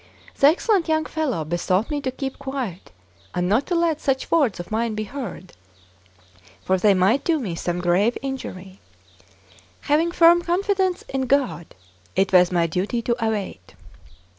The excellent young fellow besought me to keep quiet, and not to let such words of mine be heard, for they might do me some grave injury; having firm confidence in God, it was my duty to await.